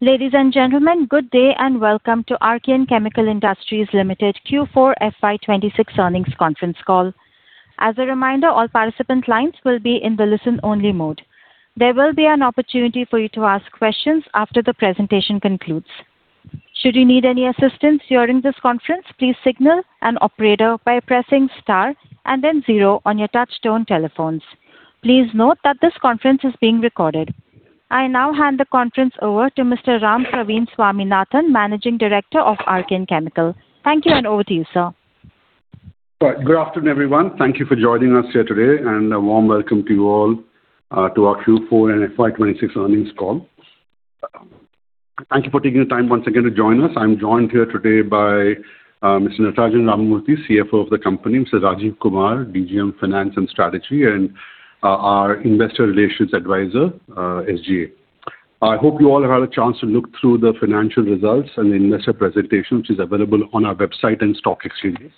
Ladies and gentlemen, good day and welcome to Archean Chemical Industries Limited Q4 FY 2026 earnings conference call. As a reminder, all participant lines will be in the listen only mode. There will be an opportunity for you to ask questions after the presentation concludes. Should you need any assistance during this conference, please signal an operator by pressing star and then zero on your touchtone telephones. Please note that this conference is being recorded. I now hand the conference over to Mr. Rampraveen Swaminathan, Managing Director of Archean Chemical. Thank you. Over to you, sir. Right. Good afternoon, everyone. Thank you for joining us here today, and a warm welcome to you all, to our Q4 and FY 2026 earnings call. Thank you for taking the time once again to join us. I'm joined here today by Mr. Natarajan Ramamurthy, CFO of the company, Mr. Rajeev Kumar, DGM Finance and Strategy, and our Investor Relations Advisor, SGA. I hope you all have had a chance to look through the financial results and investor presentation, which is available on our website and stock exchanges.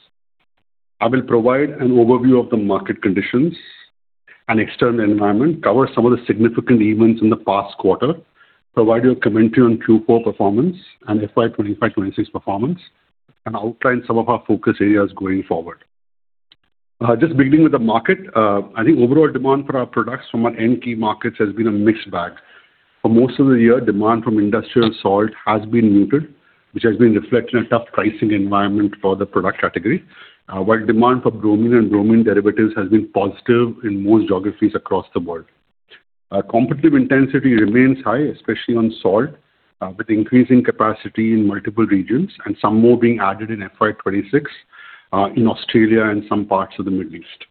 I will provide an overview of the market conditions and external environment, cover some of the significant events in the past quarter, provide you a commentary on Q4 performance and FY 2025, 2026 performance, and outline some of our focus areas going forward. Just beginning with the market, I think overall demand for our products from our end key markets has been a mixed bag. For most of the year, demand from industrial salt has been muted, which has been reflected in a tough pricing environment for the product category, while demand for bromine and bromine derivatives has been positive in most geographies across the world. Competitive intensity remains high, especially on salt, with increasing capacity in multiple regions and some more being added in FY 2026, in Australia and some parts of the Middle East.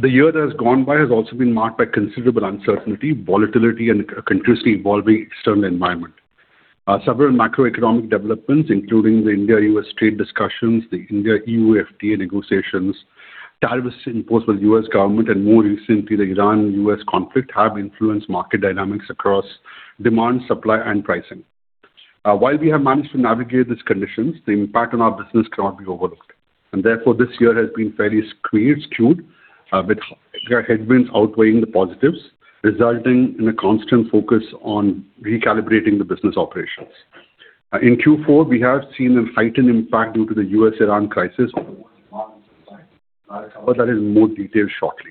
The year that has gone by has also been marked by considerable uncertainty, volatility and a continuously evolving external environment. Several macroeconomic developments, including the India-U.S. trade discussions, the India-EU FTA negotiations, tariffs imposed by the U.S. government, and more recently, the Iran-U.S. conflict, have influenced market dynamics across demand, supply, and pricing. While we have managed to navigate these conditions, the impact on our business cannot be overlooked, and therefore, this year has been fairly skewed with headwinds outweighing the positives, resulting in a constant focus on recalibrating the business operations. In Q4, we have seen a heightened impact due to the U.S.-Iran crisis. I'll cover that in more detail shortly.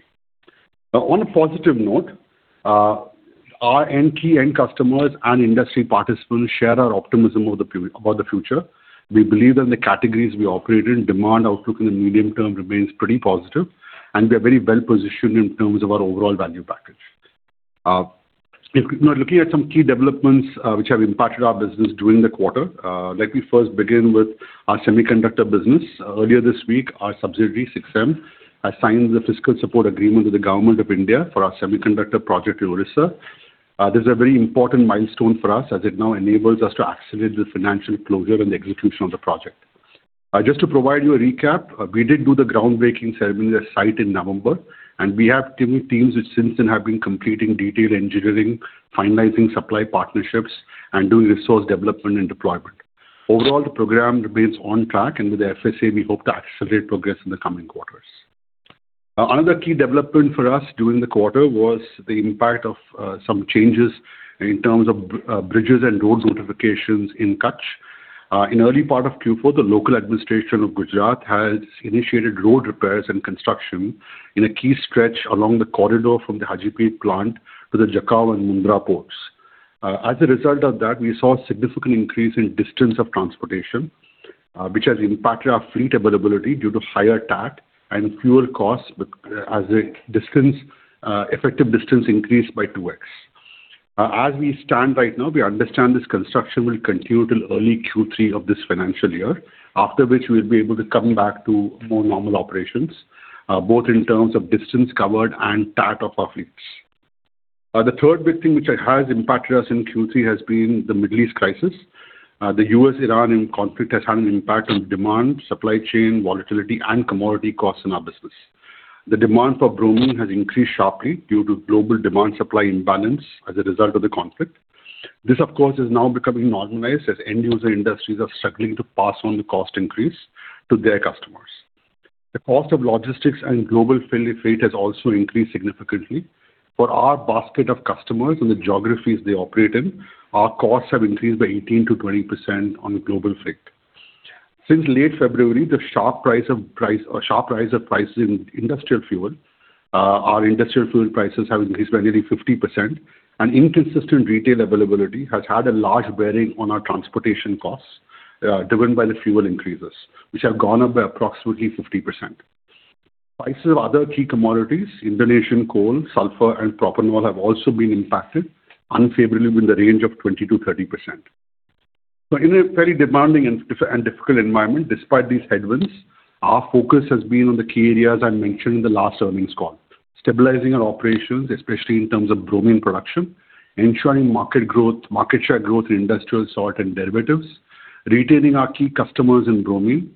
On a positive note, our end key end customers and industry participants share our optimism about the future. We believe that in the categories we operate in, demand outlook in the medium term remains pretty positive, and we are very well-positioned in terms of our overall value package. If we're now looking at some key developments, which have impacted our business during the quarter, let me first begin with our semiconductor business. Earlier this week, our subsidiary, SiCSem, has signed the Fiscal Support Agreement with the Government of India for our semiconductor project in Odisha. This is a very important milestone for us as it now enables us to accelerate the financial closure and the execution of the project. Just to provide you a recap, we did do the groundbreaking ceremony at site in November, and we have teams which since then have been completing detailed engineering, finalizing supply partnerships, and doing resource development and deployment. Overall, the program remains on track, and with the FSA, we hope to accelerate progress in the coming quarters. Another key development for us during the quarter was the impact of some changes in terms of bridges and roads modifications in Kutch. In early part of Q4, the local administration of Gujarat has initiated road repairs and construction in a key stretch along the corridor from the Hajipir plant to the Jakhau and Mundra ports. As a result of that, we saw a significant increase in distance of transportation, which has impacted our fleet availability due to higher TAT and fuel costs with, as the distance effective distance increased by 2x. As we stand right now, we understand this construction will continue till early Q3 of this financial year. After which, we'll be able to come back to more normal operations, both in terms of distance covered and TAT of our fleets. The third big thing which has impacted us in Q3 has been the Middle East crisis. The U.S.-Iran conflict has had an impact on demand, supply chain volatility and commodity costs in our business. The demand for bromine has increased sharply due to global demand-supply imbalance as a result of the conflict. This, of course, is now becoming normalized as end user industries are struggling to pass on the cost increase to their customers. The cost of logistics and global freight has also increased significantly. For our basket of customers and the geographies they operate in, our costs have increased by 18%-20% on a global freight. Since late February, the sharp rise of prices in industrial fuel, our industrial fuel prices have increased by nearly 50%. Inconsistent retail availability has had a large bearing on our transportation costs, driven by the fuel increases, which have gone up by approximately 50%. Prices of other key commodities, Indonesian coal, sulfur and propanol have also been impacted unfavorably within the range of 20%-30%. In a very demanding and difficult environment, despite these headwinds, our focus has been on the key areas I mentioned in the last earnings call. Stabilizing our operations, especially in terms of bromine production. Ensuring market growth, market share growth in industrial salt and derivatives. Retaining our key customers in bromine.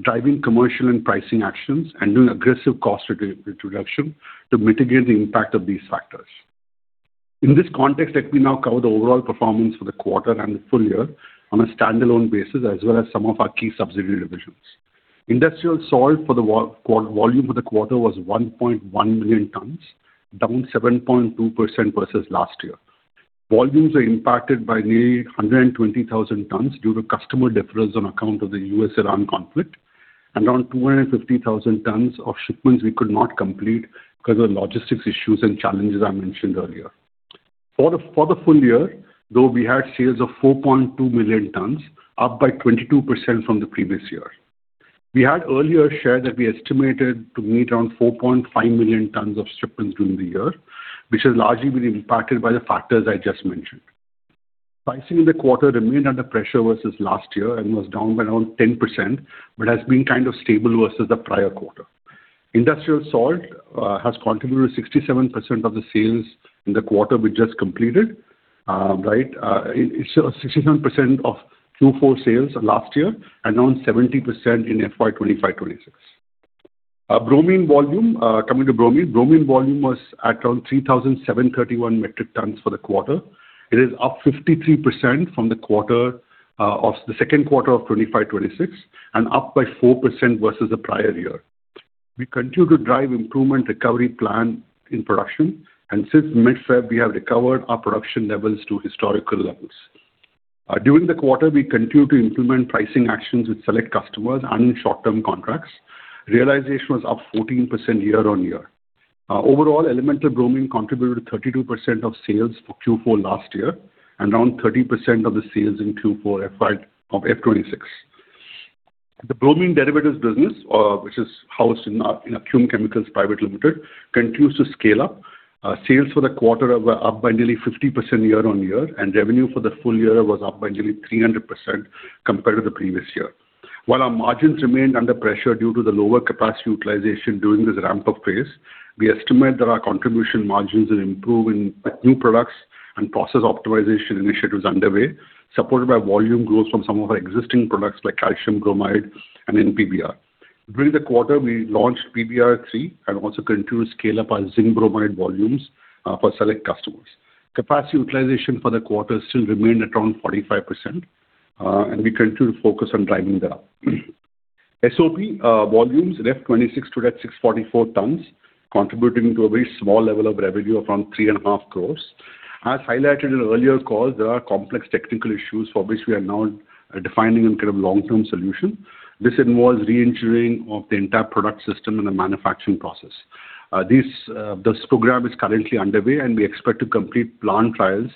Driving commercial and pricing actions, and doing aggressive cost reduction to mitigate the impact of these factors. In this context, let me now cover the overall performance for the quarter and the full year on a standalone basis, as well as some of our key subsidiary divisions. Industrial salt volume for the quarter was 1.1 million tons, down 7.2% versus last year. Volumes are impacted by nearly 120,000 tons due to customer deference on account of the U.S.-Iran conflict and around 250,000 tons of shipments we could not complete cause of logistics issues and challenges I mentioned earlier. For the full year, though we had sales of 4.2 million tons, up by 22% from the previous year. We had earlier shared that we estimated to meet around 4.5 million tons of shipments during the year, which has largely been impacted by the factors I just mentioned. Pricing in the quarter remained under pressure versus last year and was down by around 10%, but has been kind of stable versus the prior quarter. Industrial salt has contributed 67% of the sales in the quarter we just completed. It's 67% of Q4 sales last year and around 70% in FY 2025, 2026. Coming to bromine. Bromine volume was at around 3,731 metric tons for the quarter. It is up 53% from the quarter of the second quarter of 2025, 2026, and up by 4% versus the prior year. We continue to drive improvement recovery plan in production, and since mid-Feb we have recovered our production levels to historical levels. During the quarter, we continued to implement pricing actions with select customers and short-term contracts. Realization was up 14% year-on-year. Overall, elemental bromine contributed 32% of sales for Q4 last year and around 30% of the sales in Q4 FY 2026. The bromine derivatives business, which is housed in Acume Chemicals Private Limited, continues to scale up. Sales for the quarter were up by nearly 50% year-on-year, and revenue for the full year was up by nearly 300% compared to the previous year. While our margins remained under pressure due to the lower capacity utilization during this ramp-up phase, we estimate that our contribution margins will improve in new products and process optimization initiatives underway, supported by volume growth from some of our existing products like calcium bromide and NPBR. During the quarter, we launched PBr3 and also continued to scale up our zinc bromide volumes for select customers. Capacity utilization for the quarter still remained at around 45%, and we continue to focus on driving that up. SOP volumes in FY 2026 stood at 644 tons, contributing to a very small level of revenue of around 3.5 crores. As highlighted in earlier calls, there are complex technical issues for which we are now defining a kind of long-term solution. This involves re-engineering of the entire product system and the manufacturing process. This program is currently underway, and we expect to complete plant trials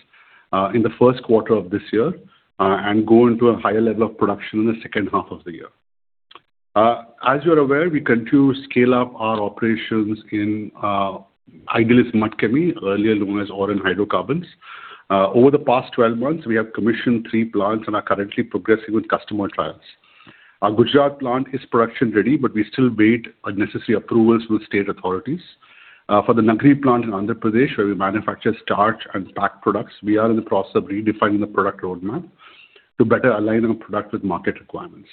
in the first quarter of this year and go into a higher level of production in the second half of the year. As you are aware, we continue to scale up our operations in Idealism Mud Chem, earlier known as Oren Hydrocarbons. Over the past 12 months, we have commissioned three plants and are currently progressing with customer trials. Our Gujarat plant is production ready, but we still await necessary approvals with state authorities. For the Nagari plant in Andhra Pradesh, where we manufacture starch and PAC products, we are in the process of redefining the product roadmap to better align our product with market requirements.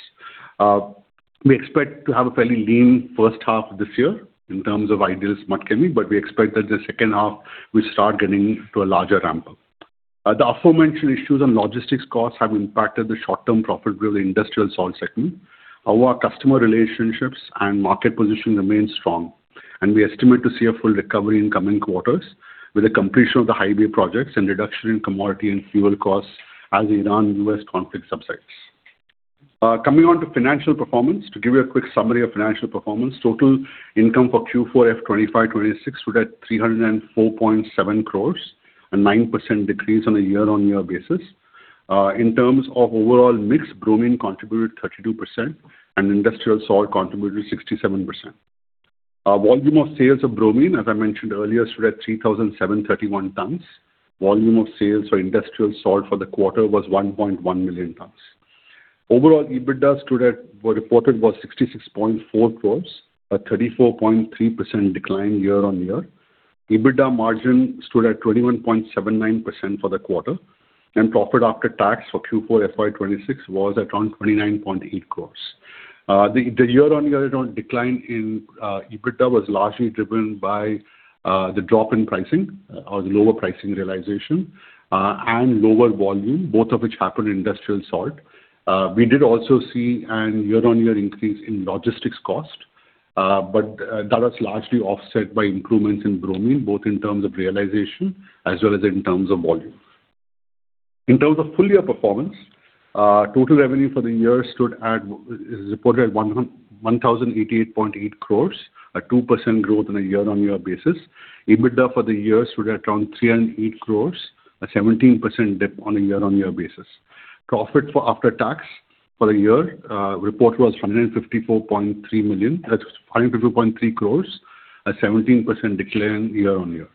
We expect to have a fairly lean first half this year in terms of Idealism Mud Chem, but we expect that the second half will start getting to a larger ramp-up. The aforementioned issues and logistics costs have impacted the short-term profitability of the industrial salt segment. Our customer relationships and market position remain strong, and we estimate to see a full recovery in coming quarters with the completion of the highway projects and reduction in commodity and fuel costs as the Iran-U.S. conflict subsides. Coming on to financial performance. To give you a quick summary of financial performance, total income for Q4 FY 2025, 2026 stood at 304.7 crores, a 9% decrease on a year-on-year basis. In terms of overall mix, bromine contributed 32% and industrial salt contributed 67%. Volume of sales of bromine, as I mentioned earlier, stood at 3,731 tons. Volume of sales for industrial salt for the quarter was 1.1 million tons. Overall, EBITDA reported was 66.4 crores, a 34.3% decline year-on-year. EBITDA margin stood at 21.79% for the quarter, and profit after tax for Q4 FY 2026 was at around 29.8 crores. The year-on-year decline in EBITDA was largely driven by the drop in pricing or the lower pricing realization, and lower volume, both of which happened in industrial salt. We did also see a year-on-year increase in logistics cost, but that was largely offset by improvements in bromine, both in terms of realization as well as in terms of volume. In terms of full year performance, total revenue for the year is reported at 1,088.8 crores, a 2% growth on a year-on-year basis. EBITDA for the year stood at 308 crores, a 17% dip on a year-on-year basis. Profit for after tax for the year, reported was 154.3 crores, a 17% decline year-on-year.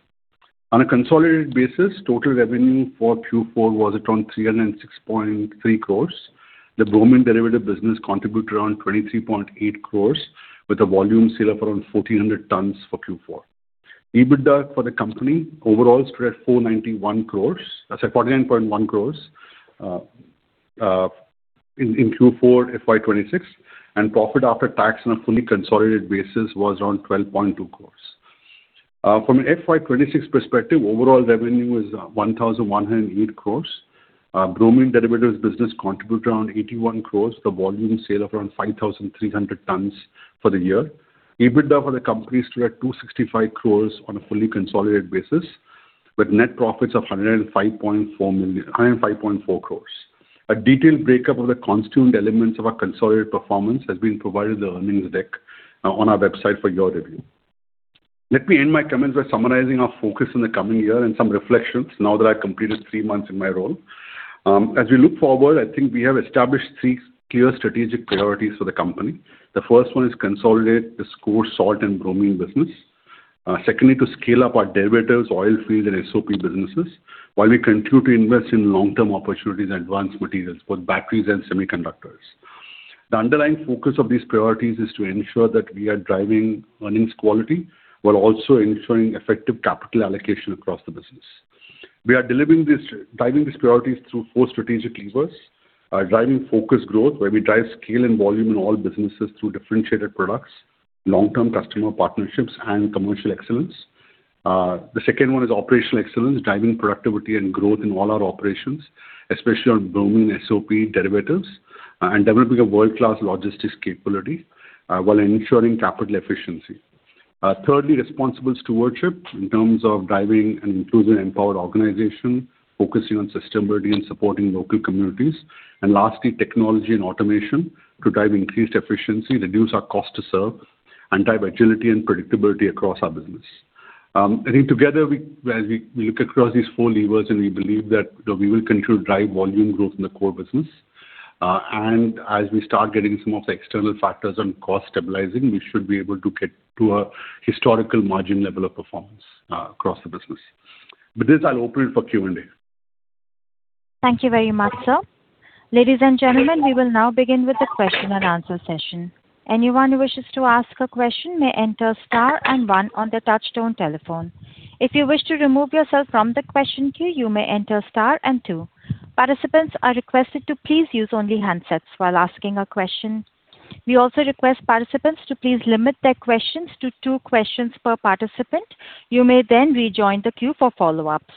On a consolidated basis, total revenue for Q4 was at 306.3 crores. The bromine derivative business contributed 23.8 crores with a volume sale of 1,400 tons for Q4. EBITDA for the company overall stood at 49.1 crores in Q4 FY 2026, and profit after tax on a fully consolidated basis was 12.2 crores. From an FY 2026 perspective, overall revenue was 1,108 crores. Bromine derivatives business contributed around 81 crores. The volume sale of around 5,300 tons for the year. EBITDA for the company stood at 265 crores on a fully consolidated basis, with net profits of 105.4 crores. A detailed breakup of the constituent elements of our consolidated performance has been provided in the earnings deck on our website for your review. Let me end my comments by summarizing our focus in the coming year and some reflections now that I've completed three months in my role. As we look forward, I think we have established three clear strategic priorities for the company. The first one is consolidate this core salt and bromine business. Secondly, to scale up our derivatives, oil fields and SOP businesses while we continue to invest in long-term opportunities and advanced materials for batteries and semiconductors. The underlying focus of these priorities is to ensure that we are driving earnings quality while also ensuring effective capital allocation across the business. We are driving these priorities through four strategic levers. Driving focused growth, where we drive scale and volume in all businesses through differentiated products, long-term customer partnerships and commercial excellence. The second one is operational excellence, driving productivity and growth in all our operations, especially on bromine, SOP, derivatives, and developing a world-class logistics capability, while ensuring capital efficiency. Thirdly, responsible stewardship in terms of driving an inclusive and empowered organization, focusing on sustainability and supporting local communities. Lastly, technology and automation to drive increased efficiency, reduce our cost to serve, and drive agility and predictability across our business. I think together we look across these four levers and we believe that we will continue to drive volume growth in the core business. As we start getting some of the external factors on cost stabilizing, we should be able to get to a historical margin level of performance across the business. With this, I'll open it for Q&A. Thank you very much, sir. Ladies and gentlemen, we will now begin with the question and answer session. Anyone who wishes to ask a question may enter star and one on their touch-tone telephone. If you wish to remove yourself from the question queue, you may enter star and two. Participants are requested to please use only handsets while asking a question. We also request participants to please limit their questions to two questions per participant. You may then rejoin the queue for follow-ups.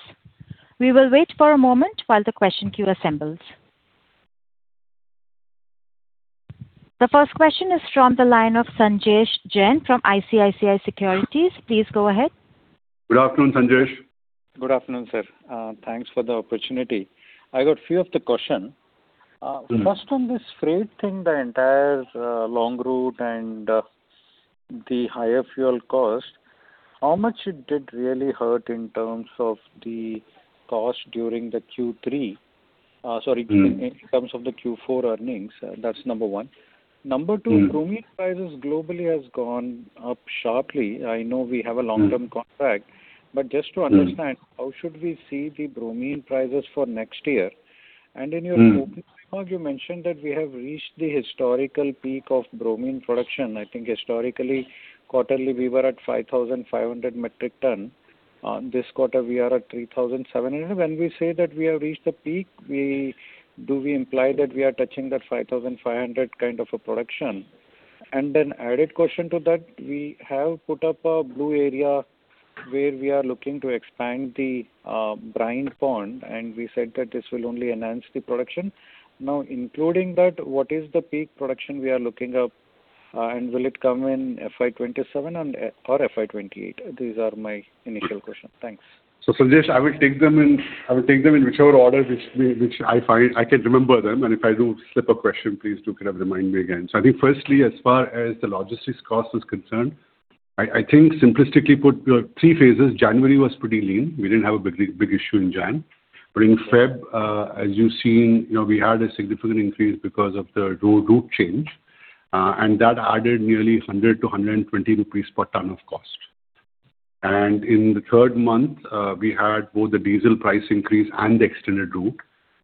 We will wait for a moment while the question queue assembles. The first question is from the line of Sanjesh Jain from ICICI Securities. Please go ahead. Good afternoon, Sanjesh. Good afternoon, sir. Thanks for the opportunity. I got few of the question. On this freight thing, the entire long route and the higher fuel cost, how much it did really hurt in terms of the cost during the Q3? In terms of the Q4 earnings. That's number one. Number two. Bromine prices globally has gone up sharply. I know we have a long-term contract. Just to understand, how should we see the bromine prices for next year? In your opening remarks, you mentioned that we have reached the historical peak of bromine production. I think historically, quarterly we were at 5,500 metric tons. This quarter we are at 3,700 metric tons. When we say that we have reached the peak, do we imply that we are touching that 5,500 metric tons kind of a production? Then added question to that, we have put up a Blue Acres where we are looking to expand the brine pond, and we said that this will only enhance the production. Including that, what is the peak production we are looking up, and will it come in FY 2027 and, or FY 2028? These are my initial questions. Thanks. Sanjesh, I will take them in whichever order which we, which I find I can remember them. If I do slip a question, please do kind of remind me again. I think firstly, as far as the logistics cost is concerned, I think simplistically put, we have three phases. January was pretty lean. We didn't have a big issue in Jan. In Feb, as you've seen, you know, we had a significant increase because of the route change, and that added nearly 100-120 rupees per ton of cost. In the third month, we had both the diesel price increase and the extended route.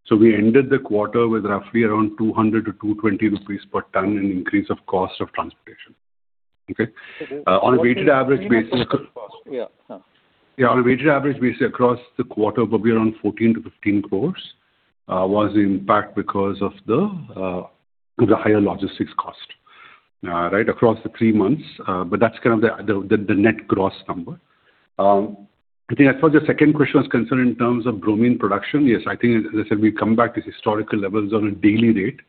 We ended the quarter with roughly around 200-220 rupees per ton in increase of cost of transportation. Okay. So this- On a weighted average basis.... what is the increase in cost? Yeah. Yeah, on a weighted average basis across the quarter, probably around 14-15 crores was the impact because of the higher logistics cost right across the three months. That's kind of the net gross number. I think as far as your second question was concerned in terms of bromine production, yes, I think as I said, we've come back to historical levels on a daily rate.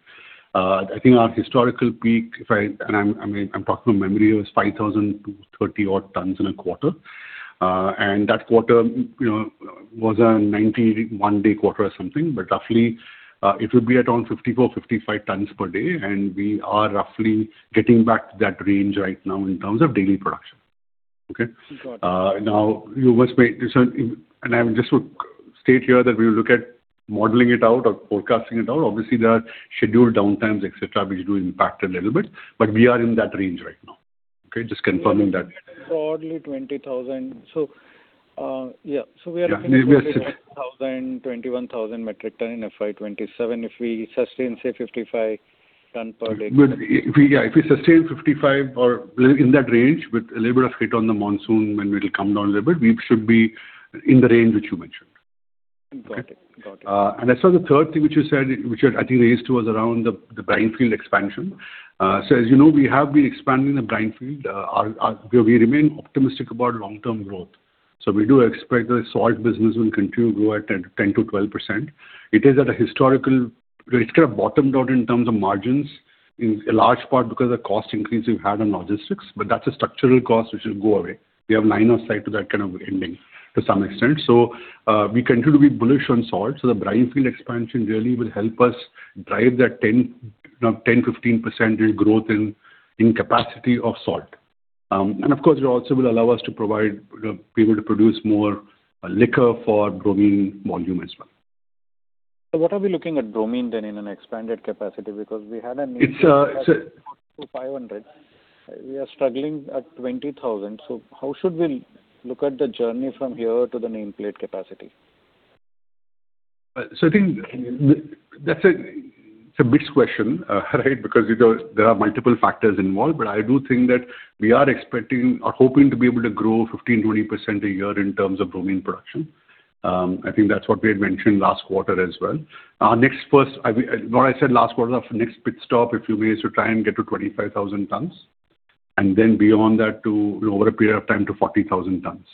I think our historical peak, if I mean, I'm talking from memory, it was 5,230 odd tons in a quarter. That quarter, you know, was a 91-day quarter or something. Roughly, it would be around 54, 55 tons per day, we are roughly getting back to that range right now in terms of daily production. Okay? Got it. Now I just would state here that we will look at modeling it out or forecasting it out. Obviously, there are scheduled downtimes, et cetera, which do impact a little bit, but we are in that range right now. Okay. Just confirming that. Broadly 20,000 tons. Yeah. Yeah. 20,000, 21,000 metric ton in FY 2027 if we sustain, say 55 ton per day. If we sustain 55 ton or in that range with a little bit of hit on the monsoon when we will come down a little bit, we should be in the range which you mentioned. Got it. Got it. I saw the third thing which you said, which I think raised to us around the brine field expansion. As you know, we have been expanding the brine field. We remain optimistic about long-term growth. We do expect the salt business will continue to grow at 10% to 12%. It's kind of bottomed out in terms of margins, in a large part because the cost increase we've had on logistics, but that's a structural cost which will go away. We have line of sight to that kind of ending to some extent. We continue to be bullish on salt, the brine field expansion really will help us drive that 10, you know, 10%-15% in growth in capacity of salt. Of course it also will allow us to provide, you know, be able to produce more liquor for bromine volume as well. What are we looking at bromine then in an expanded capacity, because we had a name- It's.... to 500 ton. We are struggling at 20,000 ton. How should we look at the journey from here to the nameplate capacity? I think that's a, it's a mixed question, right? Because, you know, there are multiple factors involved. I do think that we are expecting or hoping to be able to grow 15%-20% a year in terms of bromine production. I think that's what we had mentioned last quarter as well. Next first, I mean, what I said last quarter, our next pit stop, if you may, is to try and get to 25,000 tons. Beyond that to, you know, over a period of time, to 40,000 tons.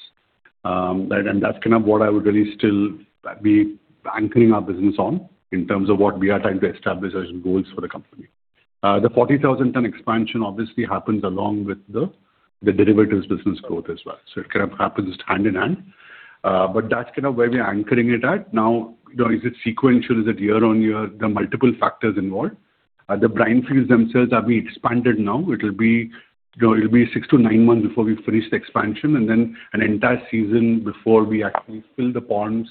That's kind of what I would really still be anchoring our business on in terms of what we are trying to establish as goals for the company. The 40,000 ton expansion obviously happens along with the derivatives business growth as well. It kind of happens hand-in-hand. That's kind of where we're anchoring it at. Now, you know, is it sequential? Is it year-on-year? There are multiple factors involved. The brine fields themselves are being expanded now. It'll be, you know, it'll be 6-9 months before we finish the expansion, and then an entire season before we actually fill the ponds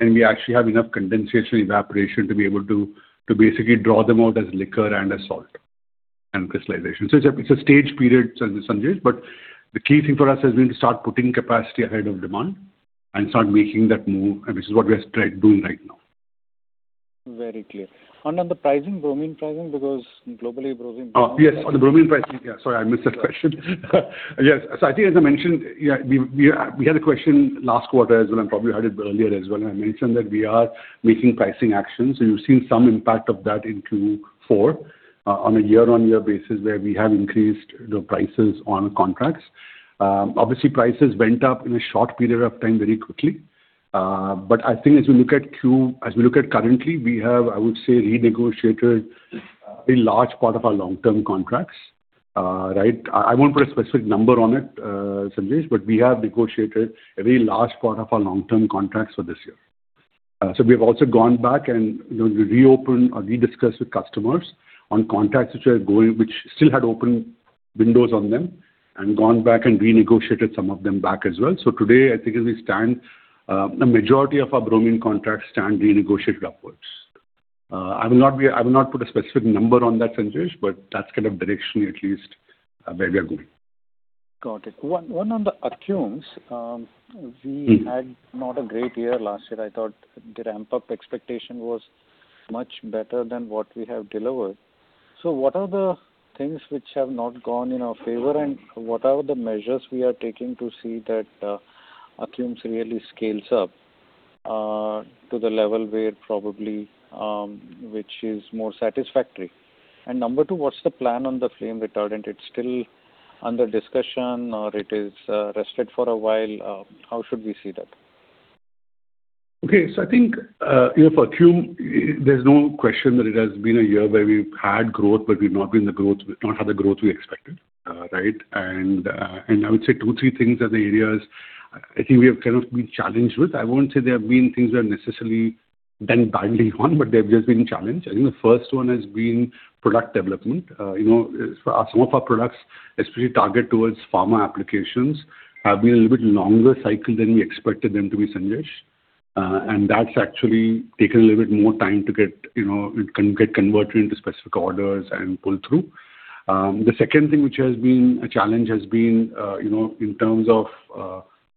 and we actually have enough condensation evaporation to be able to basically draw them out as liquor and as salt and crystallization. It's a, it's a staged period, Sanjesh, but the key thing for us has been to start putting capacity ahead of demand and start making that move, and this is what we are doing right now. Very clear. On the pricing, bromine pricing, because globally. Oh, yes. On the bromine pricing. Sorry, I missed that question. Yes. I think as I mentioned, we had a question last quarter as well, and probably heard it earlier as well, and I mentioned that we are making pricing actions. You've seen some impact of that in Q4 on a year-over-year basis, where we have increased the prices on contracts. Obviously prices went up in a short period of time very quickly. I think as we look at currently, we have, I would say, renegotiated a large part of our long-term contracts. Right? I won't put a specific number on it, Sanjesh, but we have negotiated a very large part of our long-term contracts for this year. We have also gone back and, you know, reopened or rediscussed with customers on contracts which are going, which still had open windows on them, and gone back and renegotiated some of them back as well. Today, I think as we stand, a majority of our bromine contracts stand renegotiated upwards. I will not put a specific number on that, Sanjesh, but that's kind of direction at least, where we are going. Got it. One on the Acume. We had not a great year last year. I thought the ramp-up expectation was much better than what we have delivered. What are the things which have not gone in our favor, and what are the measures we are taking to see that Acume really scales up to the level where it probably which is more satisfactory? Number two, what's the plan on the flame retardant? It's still under discussion or it is rested for a while? How should we see that? Okay. I think, you know, for Acume's, there's no question that it has been a year where we've had growth, but we've not had the growth we expected. Right? I would say two, three things are the areas I think we have kind of been challenged with. I won't say they have been things we have necessarily done badly on, but they've just been challenged. I think the first one has been product development. You know, some of our products, especially targeted towards pharma applications, have been a little bit longer cycle than we expected them to be, Sanjesh. That's actually taken a little bit more time to get, you know, it can get converted into specific orders and pull through. The second thing which has been a challenge has been, you know, in terms of,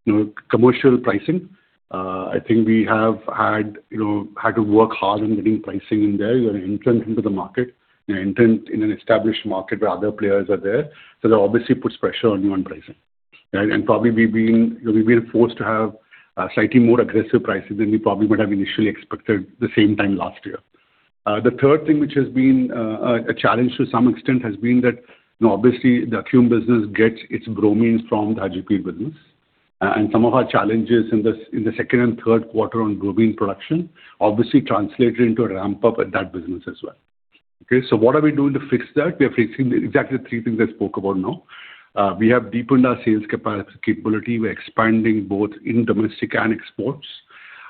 you know, commercial pricing. I think we have had to work hard on getting pricing in there. You're entering into the market. You're entering in an established market where other players are there. That obviously puts pressure on pricing. Right? Probably we've been, you know, we've been forced to have slightly more aggressive pricing than we probably would have initially expected the same time last year. The third thing which has been a challenge to some extent has been that, you know, obviously the Acume business gets its bromine from the RGP business. Some of our challenges in the second and third quarter on bromine production obviously translated into a ramp-up in that business as well. Okay? What are we doing to fix that? We are fixing the exactly three things I spoke about now. We have deepened our sales capability. We're expanding both in domestic and exports.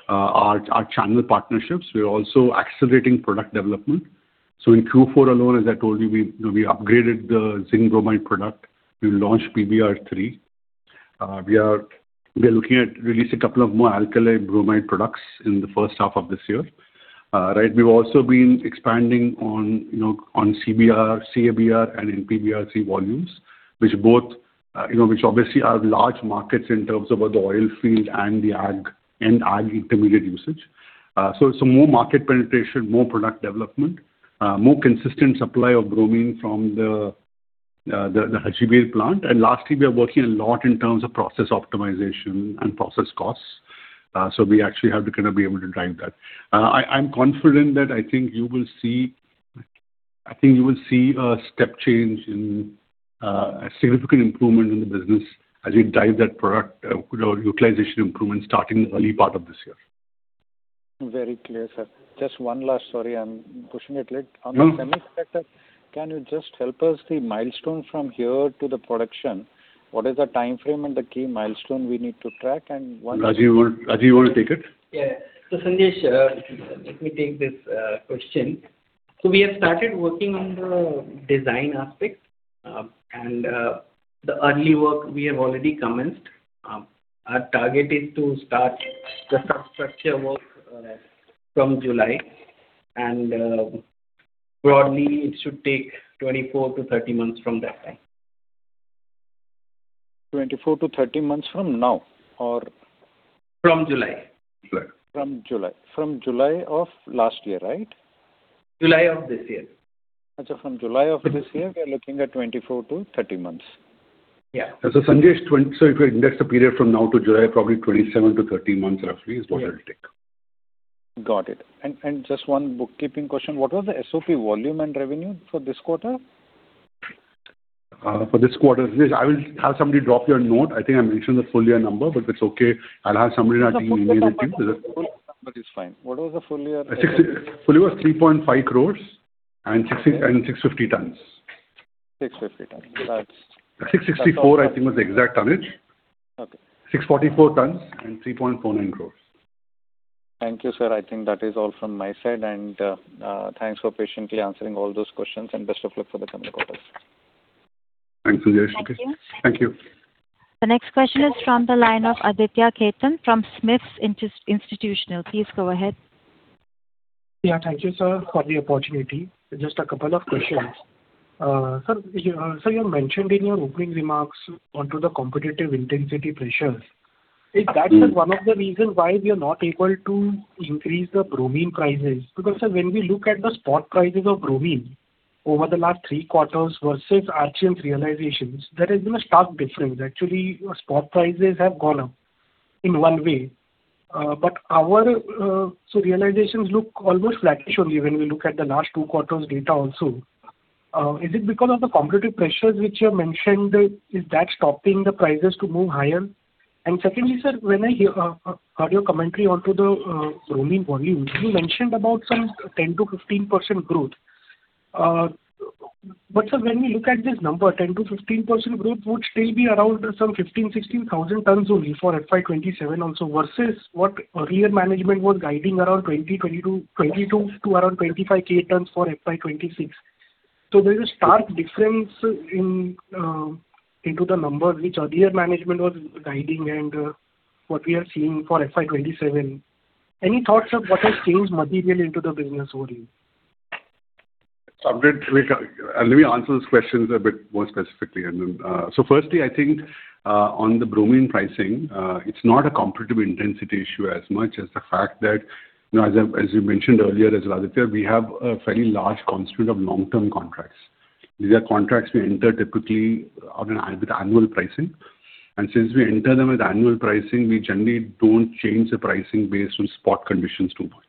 Our channel partnerships, we are also accelerating product development. In Q4 alone, as I told you, we, you know, we upgraded the zinc bromide product. We launched PBr3. We are looking at releasing a couple of more alkali bromide products in the first half of this year. Right? We've also been expanding on, you know, on CaBr2 and PBr3 volumes, which both, you know, which obviously are large markets in terms of the oil field and the ag intermediate usage. More market penetration, more product development, more consistent supply of bromine from the Hajipir plant. Lastly, we are working a lot in terms of process optimization and process costs. We actually have to kind of be able to drive that. I'm confident that I think you will see a step change in a significant improvement in the business as we drive that product utilization improvement starting the early part of this year. Very clear, sir. Sorry, I'm pushing it a bit. No. On the semi sector, can you just help us, the milestone from here to the production, what is the timeframe and the key milestone we need to track? Rajeev, you wanna take it? Sanjesh, let me take this question. We have started working on the design aspect, and the early work we have already commenced. Our target is to start the substructure work from July and broadly it should take 24-30 months from that time. 24-30 months from now. From July, sure. From July. From July of last year, right? July of this year. Okay. From July of this year, we are looking at 24-30 months. Yeah. Sanjesh, if you index the period from now to July, probably 27-13 months roughly is what it'll take. Got it. Just one bookkeeping question. What was the SOP volume and revenue for this quarter? For this quarter, Sanjesh, I will have somebody drop you a note. I think I mentioned the full year number. It's okay. I'll have somebody in our team email it to you. The full year number is fine. What is the full year? Full year was 3.5 crores and 60, and 650 tons. 650 tons. 664 tons, I think was the exact tonnage. Okay. 644 tons and 3.49 crores. Thank you, sir. I think that is all from my side. Thanks for patiently answering all those questions, and best of luck for the coming quarters. Thanks, Sanjesh. Thank you. Thank you. The next question is from the line of Aditya Khetan from SMIFS Institutional. Please go ahead. Yeah. Thank you, sir, for the opportunity. Just a couple of questions. Sir, you mentioned in your opening remarks onto the competitive intensity pressures. Is that, sir, one of the reason why we are not able to increase the bromine prices? Sir, when we look at the spot prices of bromine over the last three quarters versus Archean's realizations, there has been a stark difference. Actually, spot prices have gone up in one way, but our so realizations look almost flattish only when we look at the last two quarters' data also. Is it because of the competitive pressures which you have mentioned? Is that stopping the prices to move higher? Secondly, sir, when I heard your commentary onto the bromine volume, you mentioned about some 10%-15% growth. Sir, when we look at this number, 10%-15% growth would still be around some 15,000-16,000 tons only for FY 2027 also, versus what earlier management was guiding around 20,000-22,000 to around 25,000 tons for FY 2026. There's a stark difference in into the numbers which earlier management was guiding and what we are seeing for FY 2027. Any thoughts of what has changed materially into the business volume? Let me answer those questions a bit more specifically. Firstly, I think, on the bromine pricing, it's not a competitive intensity issue as much as the fact that, you know, as I, as you mentioned earlier as well, Aditya, we have a fairly large constituent of long-term contracts. These are contracts we enter typically with annual pricing. Since we enter them with annual pricing, we generally don't change the pricing based on spot conditions too much.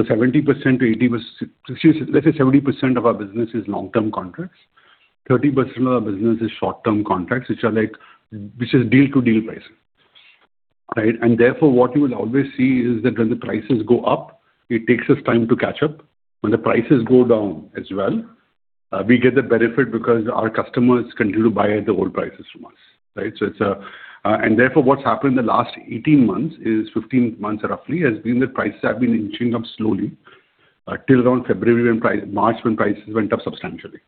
70%-80% Excuse me. Let's say 70% of our business is long-term contracts. 30% of our business is short-term contracts, which is deal-to-deal pricing, right? Therefore, what you will always see is that when the prices go up, it takes us time to catch up. When the prices go down as well, we get the benefit because our customers continue to buy at the old prices from us, right? It's, and therefore what's happened in the last 18 months is, 15 months roughly, has been the prices have been inching up slowly, till around February when March when prices went up substantially,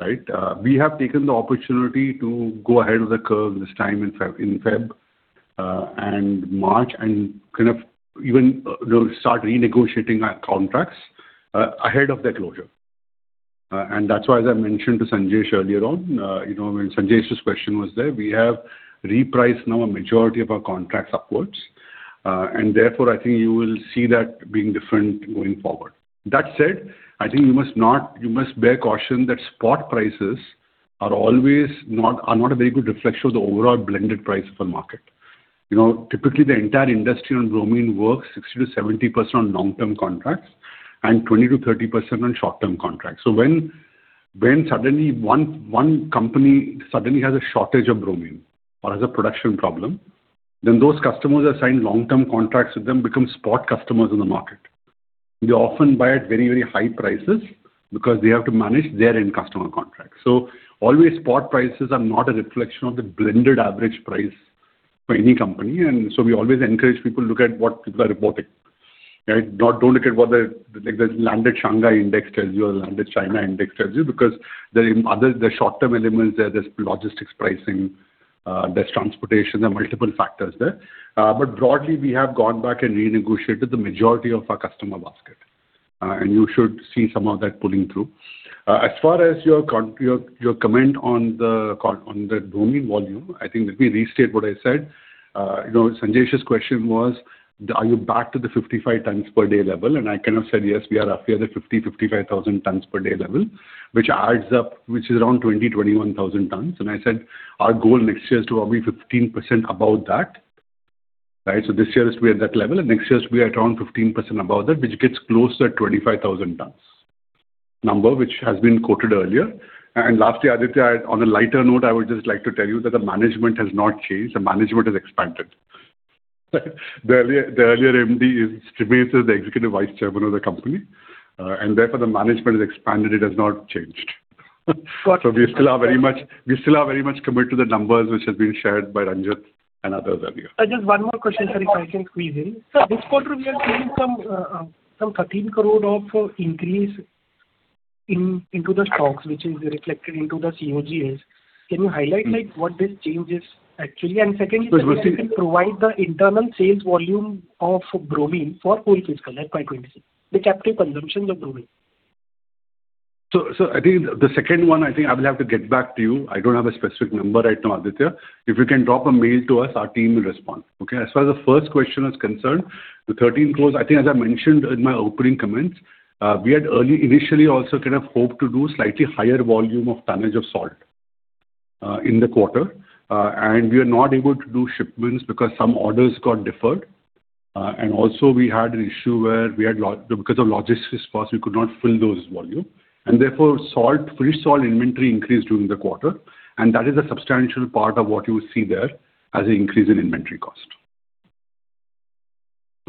right? We have taken the opportunity to go ahead of the curve this time in Feb, in Feb, and March, and kind of even, you know, start renegotiating our contracts, ahead of their closure, and that's why, as I mentioned to Sanjesh earlier on, you know, when Sanjesh's question was there, we have repriced now a majority of our contracts upwards. And therefore, I think you will see that being different going forward. That said, I think you must bear caution that spot prices are not a very good reflection of the overall blended price of a market. You know, typically the entire industry on bromine works 60%-70% on long-term contracts and 20%-30% on short-term contracts. When suddenly one company suddenly has a shortage of bromine or has a production problem, then those customers assigned long-term contracts with them become spot customers in the market. They often buy at very high prices because they have to manage their end customer contracts. Always spot prices are not a reflection of the blended average price for any company, we always encourage people to look at what people are reporting, right? Not, don't look at what the landed Shanghai index tells you or the landed China index tells you because there are short-term elements there. There's logistics pricing, there's transportation. There are multiple factors there. Broadly we have gone back and renegotiated the majority of our customer basket. You should see some of that pulling through. As far as your comment on the bromine volume, I think let me restate what I said. You know, Sanjesh's question was, are you back to the 55 tons per day level? I kind of said, yes, we are up here at the 55,000 tons per day level, which adds up, which is around 20,000-21,000 tons. I said our goal next year is to be 15% above that. Right. This year it's to be at that level, and next year it's to be at around 15% above that, which gets close to 25,000 tons number, which has been quoted earlier. Lastly, Aditya, on a lighter note, I would just like to tell you that the management has not changed. The management has expanded. The earlier MD remains as the Executive Vice Chairman of the company, and therefore the management has expanded. It has not changed. Got it. We still are very much committed to the numbers which have been shared by Ranjit and others earlier. Just one more question, sir, if I can squeeze in. Sure. This quarter we are seeing some 13 crore of increase into the stocks, which is reflected into the COGS. Can you highlight, like, what this change is actually? Secondly. Yes, we'll see- Can you provide the internal sales volume of bromine for full fiscal, like, 2026? The captive consumption of bromine. I think the second one, I will have to get back to you. I don't have a specific number right now, Aditya. If you can drop a mail to us, our team will respond. Okay. As far as the first question is concerned, the 13 crores, I think as I mentioned in my opening comments, initially also kind of hoped to do slightly higher volume of tonnage of salt in the quarter. We are not able to do shipments because some orders got deferred. Also we had an issue where we had because of logistics costs, we could not fill those volume. Therefore, salt, free salt inventory increased during the quarter, and that is a substantial part of what you see there as an increase in inventory cost.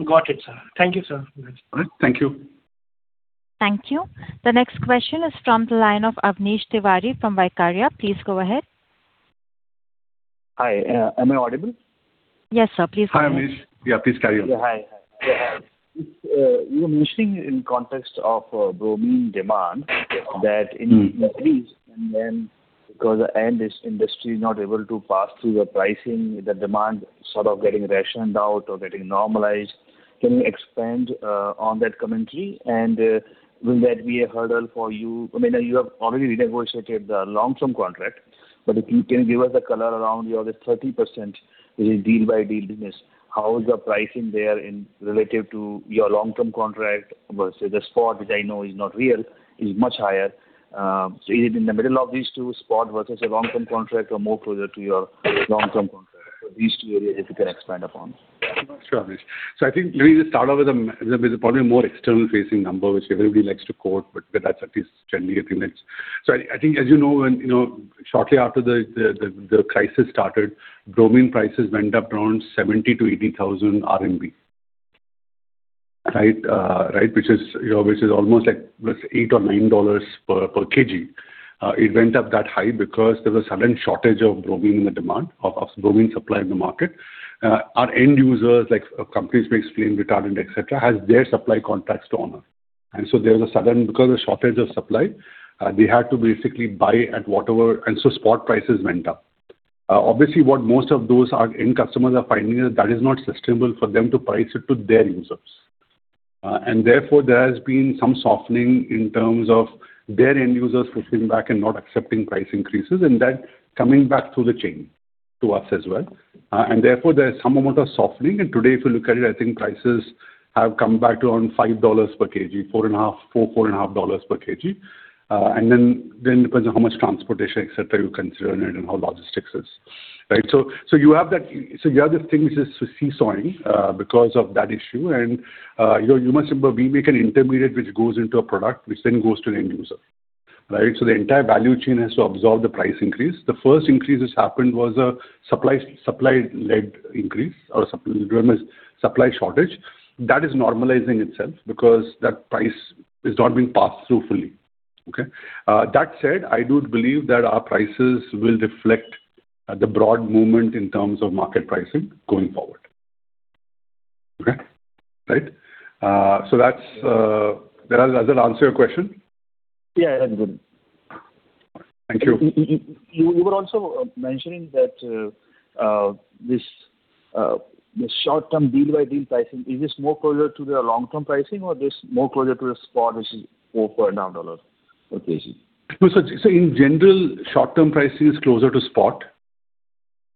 Got it, sir. Thank you, sir. All right. Thank you. Thank you. The next question is from the line of Avnish Tiwari from Vaikarya. Please go ahead. Hi. Am I audible? Yes, sir. Please go ahead. Hi, Avnish. Yeah, please carry on. Yeah. Hi. Hi. Yeah, hi. You were mentioning in context of bromine demand that in increase because the end industry is not able to pass through the pricing, the demand sort of getting rationed out or getting normalized. Can you expand on that commentary? Will that be a hurdle for you? I mean, you have already renegotiated the long-term contract, but if you can give us a color around your 30%, which is deal by deal business, how is your pricing there in relative to your long-term contract versus the spot, which I know is not real, is much higher. Is it in the middle of these two spot versus your long-term contract or more closer to your long-term contract? These two areas if you can expand upon. Sure, Avnish. I think let me just start off with the with the probably more external facing number, which everybody likes to quote, but that's at least generally a few minutes. I think as you know, when, you know, shortly after the crisis started, bromine prices went up around 70,000-80,000 RMB. Right, which is, you know, which is almost like, what, $8-$9 per kg. It went up that high because there was a sudden shortage of bromine in the demand of bromine supply in the market. Our end users, like companies makes flame retardant, et cetera, has their supply contracts to honor. There was a sudden because of shortage of supply, they had to basically buy at whatever, spot prices went up. Obviously what most of those our end customers are finding is that is not sustainable for them to price it to their end users. Therefore, there has been some softening in terms of their end users pushing back and not accepting price increases, and that coming back through the chain to us as well. Therefore, there's some amount of softening. Today, if you look at it, I think prices have come back to around $5 per kg, $4.5, $4.5 per kg. Then depends on how much transportation, et cetera, you consider in it and how logistics is. You have that. The other thing is just seesawing because of that issue. You know, you must remember we make an intermediate which goes into a product which then goes to the end user, right? The entire value chain has to absorb the price increase. The first increase that's happened was a supply-led increase or supply, remember, supply shortage. That is normalizing itself because that price is not being passed through fully. That said, I do believe that our prices will reflect the broad movement in terms of market pricing going forward. Does that answer your question? Yeah. That's good. Thank you. You were also mentioning that this the short-term deal by deal pricing, is this more closer to the long-term pricing or this more closer to the spot, which is $4.5 per kg? No. In general, short-term pricing is closer to spot.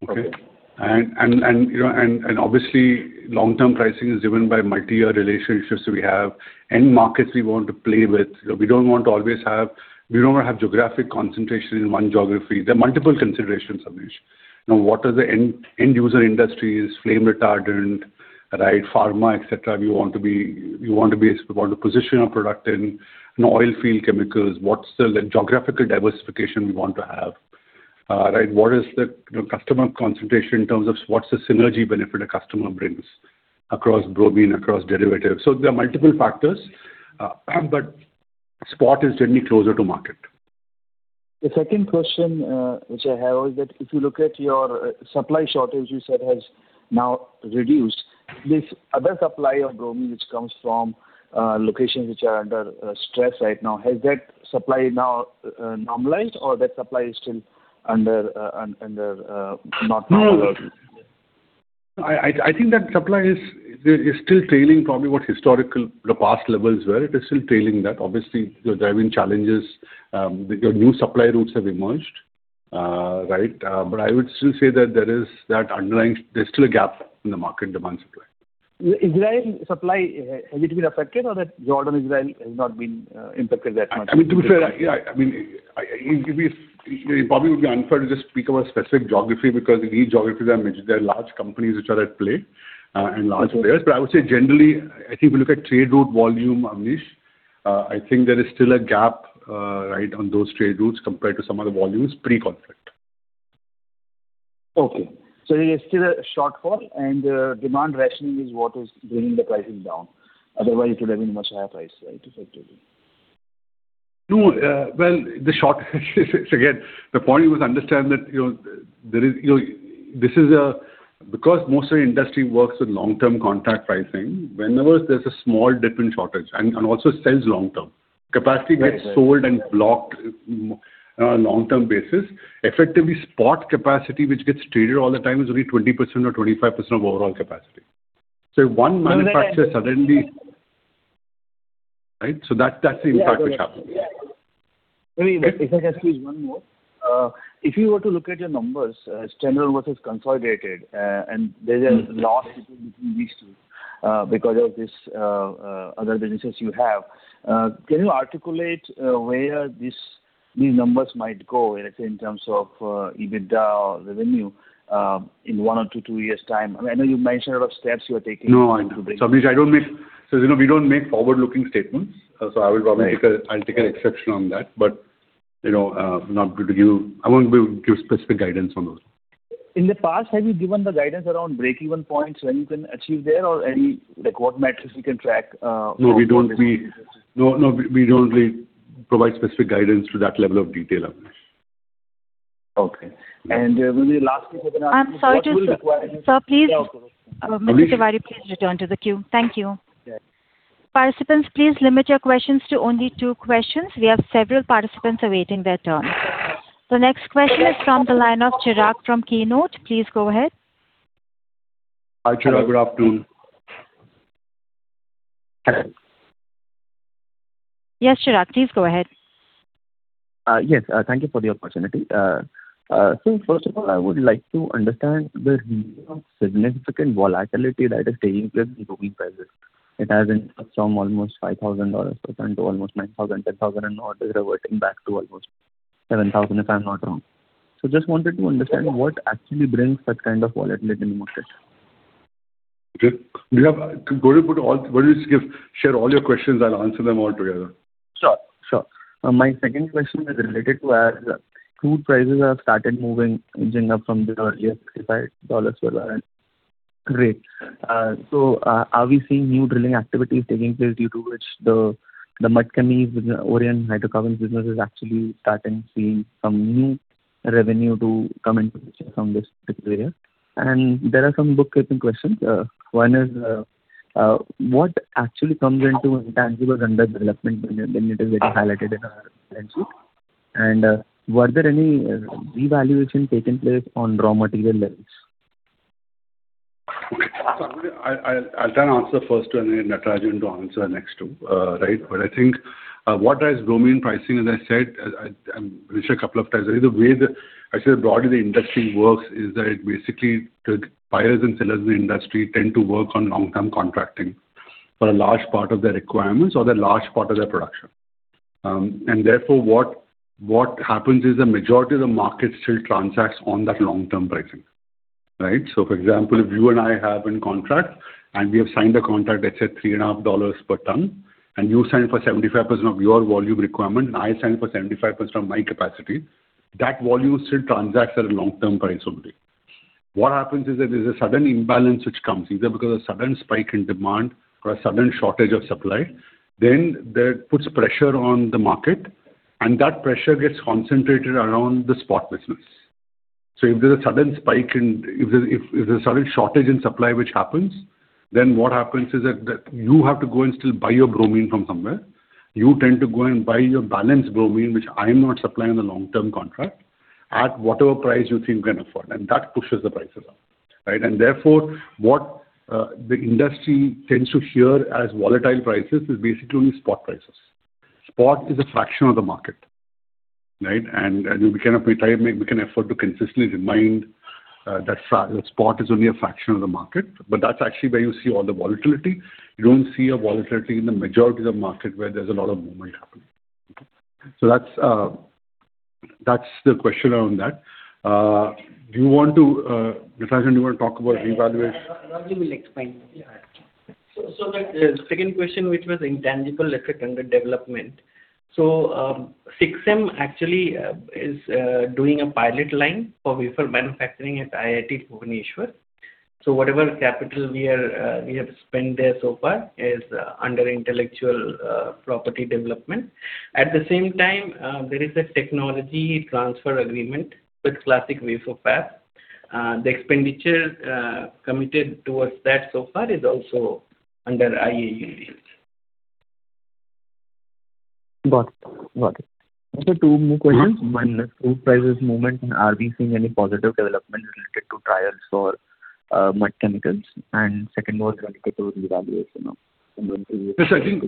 Okay. Okay. You know, and obviously long-term pricing is driven by multi-year relationships we have, end markets we want to play with. We don't want to have geographic concentration in one geography. There are multiple considerations, Avnish. Now, what are the end user industries, flame retardant, right, pharma, et cetera, we want to be, we want to position our product in oil field chemicals. What's the geographical diversification we want to have? Right. What is the, you know, customer concentration in terms of what's the synergy benefit a customer brings across bromine, across derivatives? There are multiple factors, but spot is generally closer to market. The second question, which I have is that if you look at your supply shortage, you said has now reduced. This other supply of bromine which comes from locations which are under stress right now, has that supply now normalized or that supply is still under not normalized? No, I think that supply is still trailing probably what historical, the past levels were. It is still trailing that. Obviously, you're driving challenges with your new supply routes have emerged. Right. I would still say that there's still a gap in the market demand supply. Israel supply, has it been affected or that Jordan-Israel has not been impacted that much? I mean, to be fair, I mean, it probably would be unfair to just speak about specific geography because in each geography there are large companies which are at play, and large players. I would say generally, I think if you look at trade route volume, Avnish, I think there is still a gap, right, on those trade routes compared to some of the volumes pre-conflict. Okay. There is still a shortfall and demand rationing is what is bringing the pricing down. Otherwise it would have been much higher price, right, effectively. No. Well, the short, again, the point you must understand that, you know, this is because most of the industry works with long-term contract pricing, whenever there is a small dip in shortage and also sells long term. Right. Right. Capacity is sold and blocked, on a long-term basis. Effectively, spot capacity, which gets traded all the time, is only 20% or 25% of overall capacity. If one manufacturer suddenly Right? That's the impact which happens. Yeah. Yeah. Maybe if I can ask you just one more. If you were to look at your numbers, standalone and consolidated, and there's a loss between these two, because of this, other businesses you have, can you articulate, where these numbers might go, let's say, in terms of, EBITDA or revenue, in one or two years' time? I mean, I know you mentioned a lot of steps you are taking- No.... on break even. Avnish, as you know, we don't make forward-looking statements, I will probably take a- Right... I'll take an exception on that. You know, I won't be able to give specific guidance on those. In the past, have you given the guidance around break-even points, when you can achieve there or any, like, what metrics we can track for those businesses? No, we don't really provide specific guidance to that level of detail, Avnish. Okay. Yeah. Maybe lastly, I was gonna ask you- I'm sorry to- What will require- Sir, please. Yeah. Of course. Mr. Tiwari, please return to the queue. Thank you. Yeah. Participants, please limit your questions to only two questions. We have several participants awaiting their turn. The next question is from the line of Chirag from Keynote. Please go ahead. Hi, Chirag. Good afternoon. Yes, Chirag, please go ahead. Yes. Thank you for the opportunity. First of all, I would like to understand the reason of significant volatility that is taking place in bromine prices. It has increased from almost $5,000 per ton to almost $9,000, $10,000, and now it is reverting back to almost $7,000, if I'm not wrong. Just wanted to understand what actually brings that kind of volatility in the market. Yep. Why don't you just give, share all your questions, I'll answer them all together. Sure. Sure. My second question is related to as crude prices have started moving, inching up from the earlier $35 per barrel. Great. Are we seeing new drilling activities taking place due to which the mud chemical business, Oren Hydrocarbons Business is actually starting seeing some new revenue to come into picture from this particular area? There are some bookkeeping questions. One is what actually comes into intangible under development when it is getting highlighted in our balance sheet? Were there any revaluation taking place on raw material levels? Okay. I'll try and answer the 1st one, and then Natarajan to answer the next two. I think what drives bromine pricing, as I said, I mentioned a two times, right? The way the actually, broadly, the industry works is that basically the buyers and sellers in the industry tend to work on long-term contracting for a large part of their requirements or the large part of their production. Therefore, what happens is the majority of the market still transacts on that long-term pricing. Right? For example, if you and I have a contract, and we have signed a contract that said three and a half dollars per ton, and you sign for 75% of your volume requirement, and I sign for 75% of my capacity, that volume still transacts at a long-term price only. What happens is that there's a sudden imbalance which comes, either because of a sudden spike in demand or a sudden shortage of supply. That puts pressure on the market, and that pressure gets concentrated around the spot business. If there's a sudden shortage in supply which happens, then what happens is that you have to go and still buy your bromine from somewhere. You tend to go and buy your balance bromine, which I am not supplying on the long-term contract, at whatever price you think you can afford, and that pushes the prices up. Right? Therefore, what the industry tends to hear as volatile prices is basically only spot prices. Spot is a fraction of the market, right? We kind of make an effort to consistently remind that spot is only a fraction of the market, but that's actually where you see all the volatility. You don't see a volatility in the majority of the market where there's a lot of movement happening. That's the question around that. Do you want to, Natarajan, do you wanna talk about revaluation? Yeah, yeah. I will explain. Yeah. The second question, which was the intangible asset under development. SiCSem actually is doing a pilot line for wafer manufacturing at IIT Bhubaneswar. Whatever capital we are, we have spent there so far is under intellectual property development. At the same time, there is a technology transfer agreement with Classic Wafer Fab. The expenditure committed towards that so far is also under AUD. Got it. Got it. Also two more questions. Yeah. One, the crude prices movement, are we seeing any positive development related to trials for mud-chemical? Second was related to the revaluation of inventory. I think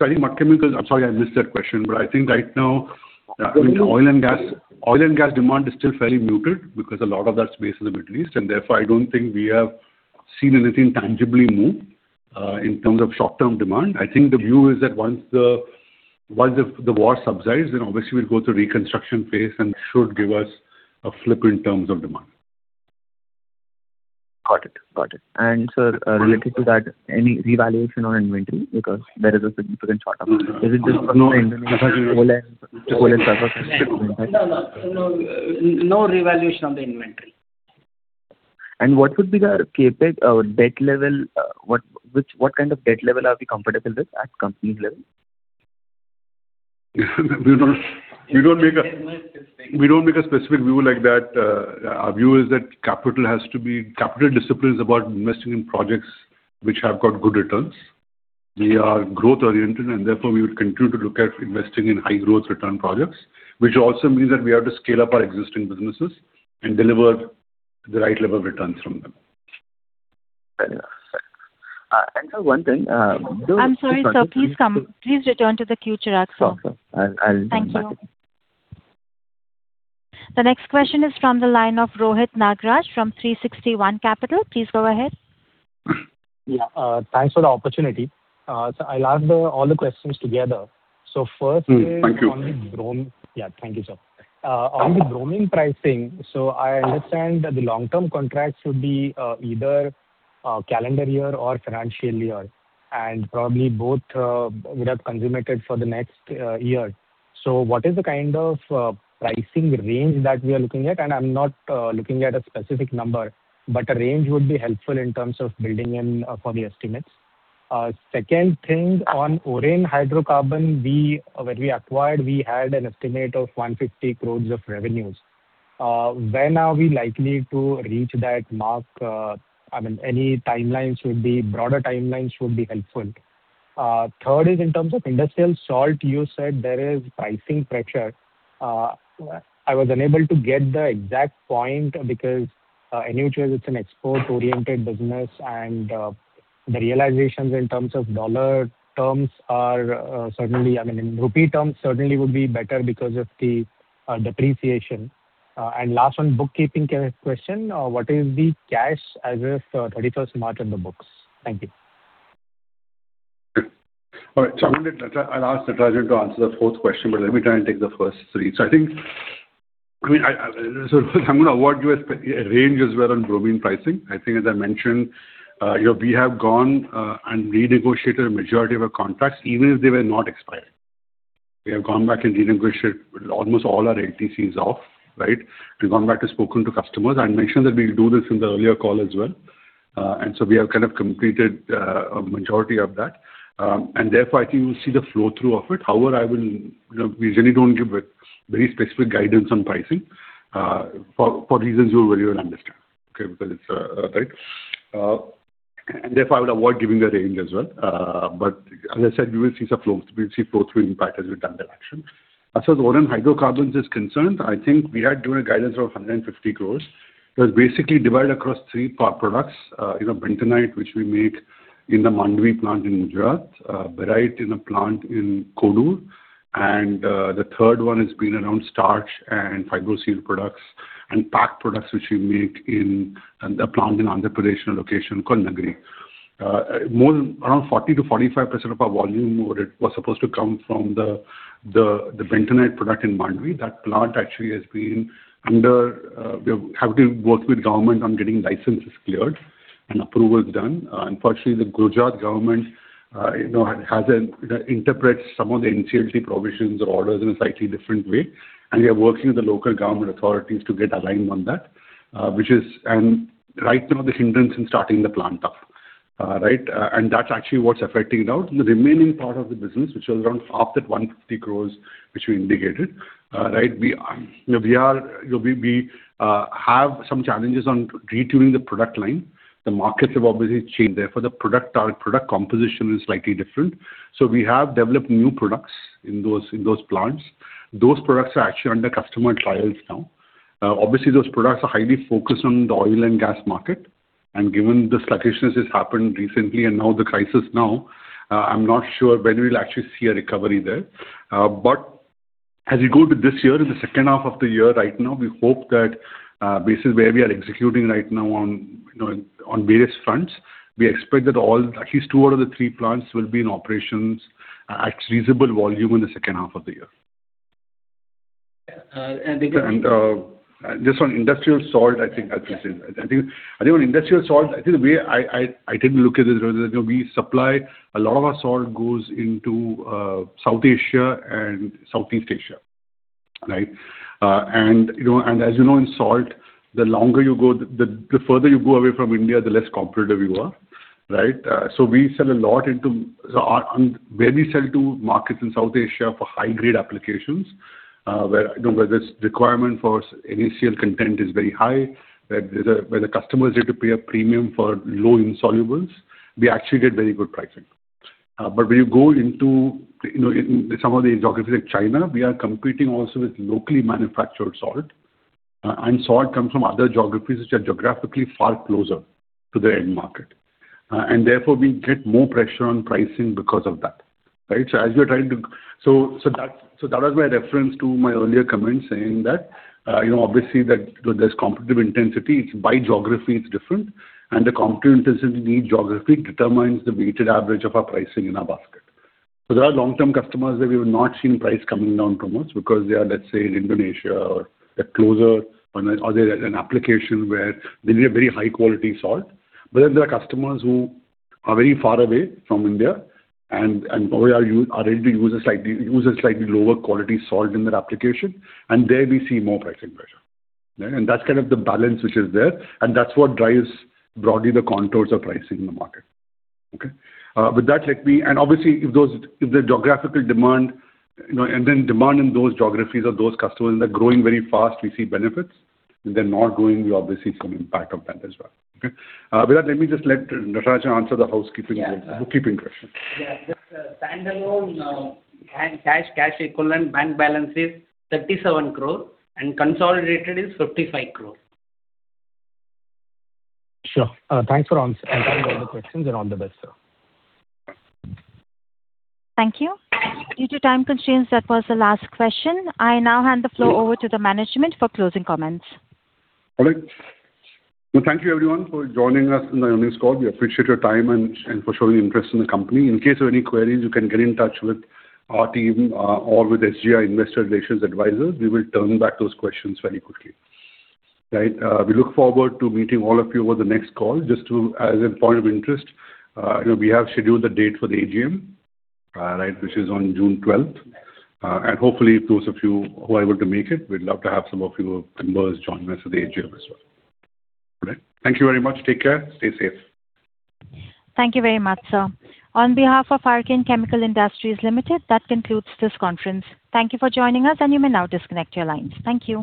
Archean Chemical. I'm sorry I missed that question, but I think right now oil and gas, oil and gas demand is still fairly muted because a lot of that space is in the Middle East, and therefore I don't think we have seen anything tangibly move in terms of short-term demand. I think the view is that once the war subsides, then obviously we'll go through reconstruction phase, and it should give us a flip in terms of demand. Got it. Got it. Sir, related to that, any revaluation on inventory because there is a significant short term. Is it just because the whole end surface is different, right? No, no. No, no revaluation on the inventory. What would be the CapEx, debt level, what kind of debt level are we comfortable with at company level? We don't make- It's not specific. We don't make a specific view like that. Our view is that Capital discipline is about investing in projects which have got good returns. We are growth-oriented, therefore we will continue to look at investing in high-growth return projects, which also means that we have to scale up our existing businesses and deliver the right level of returns from them. Sir, one thing- I'm sorry, sir. Please come. Please return to the queue, Chirag sir. Okay. I'll come back. Thank you. The next question is from the line of Rohit Nagraj from 360 ONE Capital. Please go ahead. Yeah. Thanks for the opportunity. I'll ask all the questions together. First is- Thank you.... on the bromine. Thank you, sir. On the bromine pricing, I understand that the long-term contracts would be either calendar year or financial year, and probably both would have consummated for the next year. What is the kind of pricing range that we are looking at? I am not looking at a specific number, but a range would be helpful in terms of building in for the estimates. Second thing, on Oren Hydrocarbon, when we acquired, we had an estimate of 150 crores of revenues. When are we likely to reach that mark? I mean, broader timelines would be helpful. Third is in terms of industrial salt. You said there is pricing pressure. I was unable to get the exact point because anyways it's an export-oriented business and the realizations in terms of dollar terms are certainly, I mean, in rupee terms certainly would be better because of the depreciation. Last one, bookkeeping kind of question. What is the cash as of 31st March on the books? Thank you. All right. I'll ask Natarajan to answer the fourth question, but let me try and take the first three. I think, I mean, I'm gonna award you a range as well on bromine pricing. I think as I mentioned, you know, we have gone and renegotiated a majority of our contracts even if they were not expiring. We have gone back and renegotiated almost all our ATCs off, right? We've gone back to spoken to customers. I mentioned that we do this in the earlier call as well. We have kind of completed a majority of that. Therefore, I think we'll see the flow through of it. However, I will, you know, we generally don't give a very specific guidance on pricing, for reasons you will very well understand. Okay. Because it's right. Therefore I would avoid giving a range as well. As I said, we will see some flows. We'll see flow through impact as we've done the action. As far as Oren Hydrocarbons is concerned, I think we had given a guidance of 150 crores. It was basically divided across three products, you know, bentonite, which we make in the Mandvi plant in Gujarat, barite in a plant in Kodur, and the third one has been around starch and Fibro Seal products and packed products which we make in the plant in Andhra Pradesh, in a location called Nagari. More than around 40%-45% of our volume or it was supposed to come from the bentonite product in Mandvi. That plant actually has been under. We have to work with government on getting licenses cleared and approvals done. Unfortunately the Gujarat government, you know, interprets some of the NCLT provisions or orders in a slightly different way, and we are working with the local government authorities to get aligned on that, which is right now the hindrance in starting the plant up. That's actually what's affecting it out. In the remaining part of the business, which was around half that 150 crores which we indicated, we have some challenges on retuning the product line. The markets have obviously changed, therefore the product composition is slightly different. We have developed new products in those, in those plants. Those products are actually under customer trials now. Obviously those products are highly focused on the oil and gas market, and given the sluggishness has happened recently and now the crisis now, I'm not sure when we'll actually see a recovery there. As we go to this year, in the second half of the year right now, we hope that, basis where we are executing right now on, you know, on various fronts, we expect that all, at least two out of the three plants will be in operations at reasonable volume in the second half of the year. Uh, and the- Just on industrial salt, I think I'll consider that. I think on industrial salt, the way I tend to look at it is, you know, we supply, a lot of our salt goes into South Asia and Southeast Asia. Right? You know, as you know, in salt, the longer you go, the further you go away from India, the less competitive you are. Right? We sell a lot into, so on Where we sell to markets in South Asia for high grade applications, where, you know, where there's requirement for NaCl content is very high, where the customers need to pay a premium for low insolubles, we actually get very good pricing. When you go into, you know, in some of the geographies like China, we are competing also with locally manufactured salt. Salt comes from other geographies which are geographically far closer to the end market. Therefore we get more pressure on pricing because of that, right? That was my reference to my earlier comment saying that, you know, obviously that there's competitive intensity. It's by geography it's different, and the competitiveness in the geography determines the weighted average of our pricing in our basket. There are long-term customers that we've not seen price coming down too much because they are, let's say, in Indonesia or they're closer or they have an application where they need a very high quality salt. There are customers who are very far away from India and probably are able to use a slightly lower quality salt in their application, and there we see more pricing pressure. That's kind of the balance which is there, and that's what drives broadly the contours of pricing in the market. With that, let me. Obviously if those, if the geographical demand, you know, and then demand in those geographies of those customers and they're growing very fast, we see benefits. If they're not growing, we obviously see some impact of that as well. With that, let me just let Natarajan answer the housekeeping- Yeah.... bookkeeping question. Yeah. Just standalone, cash equivalent, bank balance is 37 crore and consolidated is 55 crore. Sure. Thanks for answering all the questions and all the best, sir. Thank you. Due to time constraints, that was the last question. I now hand the floor over to the management for closing comments. All right. Well, thank you everyone for joining us in the earnings call. We appreciate your time and for showing interest in the company. In case of any queries, you can get in touch with our team or with SGA Investor Relations advisors. We will turn back those questions very quickly. Right? We look forward to meeting all of you over the next call. Just to, as a point of interest, you know, we have scheduled the date for the AGM, which is on June 12th. Hopefully those of you who are able to make it, we'd love to have some of you members join us at the AGM as well. All right. Thank you very much. Take care. Stay safe. Thank you very much, sir. On behalf of Archean Chemical Industries Limited, that concludes this conference. Thank you for joining us, and you may now disconnect your lines. Thank you.